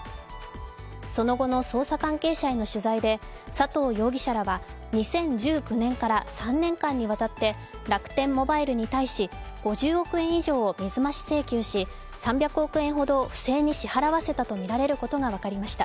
その後の捜査関係者への取材で佐藤容疑者らは２０１９年から３年間にわたって楽天モバイルに対し５０億円以上を水増し請求し、３００億円ほど不正に支払わせたとみられることが分かりました。